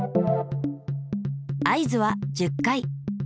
合図は１０回。